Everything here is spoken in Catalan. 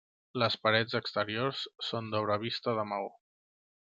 Les parets exteriors són d'obra vista de maó.